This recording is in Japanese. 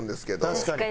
確かに。